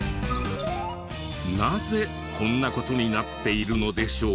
なぜこんな事になっているのでしょうか？